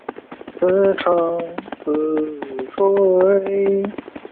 加告兹语维基是采用加告兹语拉丁字母版。